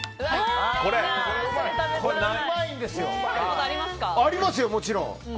これ、うまいんですよ。ありますよ、もちろん。